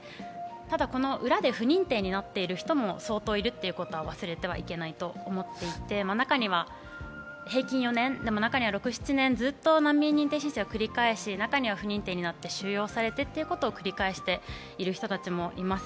ただ、この裏で不認定になっている方も相当いるっていうことを忘れてはいけないと思っていて、中には平均４年、中には６７年、ずっと難民認定を繰り返して中には不認定になって収容されることを繰り返している人もいます。